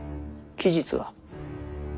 期日は。